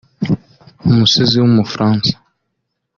umusizi w’umufaransa